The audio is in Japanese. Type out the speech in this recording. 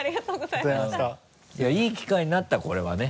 いい機会になったこれはね。